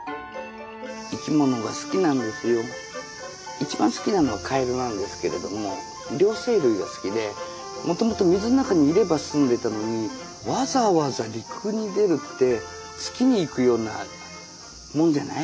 一番好きなのはカエルなんですけれども両生類が好きでもともと水の中にいれば済んでたのにわざわざ陸に出るって月に行くようなもんじゃない？